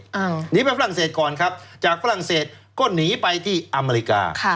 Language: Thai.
หนีไปฝรั่งเศสก่อนครับจากฝรั่งเศสก็หนีไปที่อเมริกา